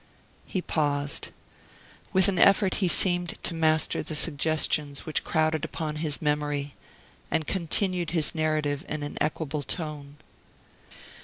He paused. With an effort he seemed to master the suggestions which crowded upon his memory, and continued his narrative in an equable tone.